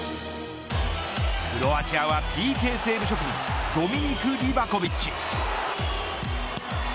クロアチアはＰＫセーブ職人ドミニク・リヴァコビッチ。